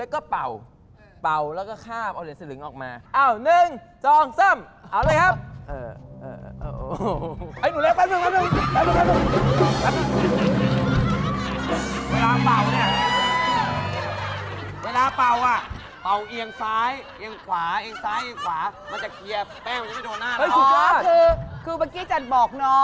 ก็เป็นแผนกเคน